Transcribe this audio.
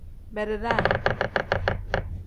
Beredaa.